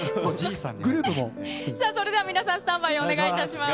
さあ、それでは皆さん、スタンバイをお願いします。